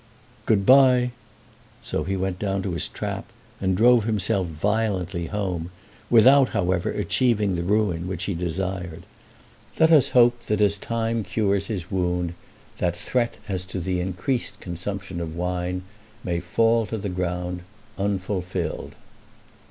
"Good bye." So he went down to his trap, and drove himself violently home, without, however, achieving the ruin which he desired. Let us hope that as time cures his wound that threat as to increased consumption of wine may fall to the ground unfulfilled.